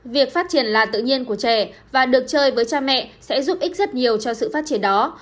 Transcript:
việc phát triển lạ tự nhiên của trẻ và được chơi với cha mẹ sẽ giúp ích rất nhiều cho sự phát triển đó